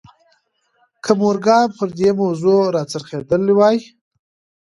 که مورګان پر دې موضوع را څرخېدلی وای